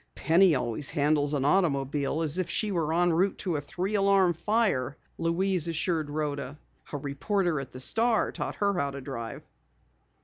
"Penny always handles an automobile as if she were enroute to a three alarm fire!" Louise assured Rhoda. "A reporter at the Star taught her how to drive."